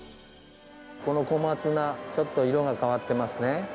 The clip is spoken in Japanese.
この小松菜、ちょっと色が変わってますね。